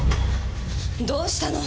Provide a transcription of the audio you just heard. どうしたの？